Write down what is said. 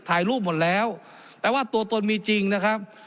ถ่ายรูปหมดแล้วแปลว่าตัวตนมีจริงนะครับ